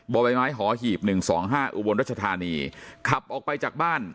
บ่อใบไม้หอหีบหนึ่งสองห้าอุบลรัชธานีขับออกไปจากบ้าน